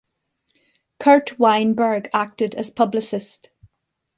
Curt Weinberg acted as publicist.